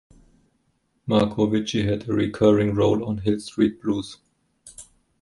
Marcovicci had a recurring role on "Hill Street Blues".